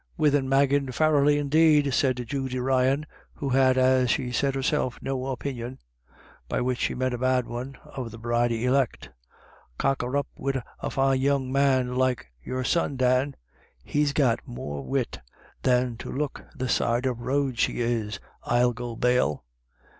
" Whethen Maggie Farrelly, indeed !" said Judy Ryan, who had as she said herself, " no opinion," by which she meant a bad one, of the bride elect. " Cock her up wid a fine young man like your son Dan ! He's got more wit than to look the side of road she is, I'll go bail.